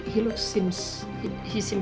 dia terlihat baik